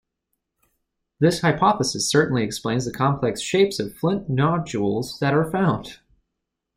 This hypothesis certainly explains the complex shapes of flint nodules that are found.